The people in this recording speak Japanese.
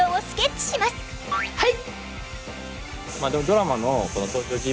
はい！